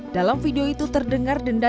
dalam video itu terdengar denda